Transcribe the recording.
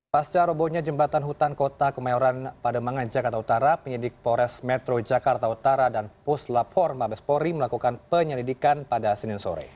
pasca robonya jembatan hutan kota kemayoran pademangan jakarta utara penyidik pores metro jakarta utara dan puslap empat mabespori melakukan penyelidikan pada senin sore